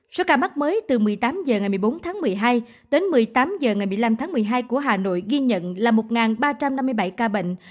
số ca mắc mới từ một mươi tám h ngày một mươi bốn tháng một mươi hai đến một mươi tám h ngày một mươi năm tháng một mươi hai của hà nội ghi nhận là một ba trăm năm mươi bảy ca bệnh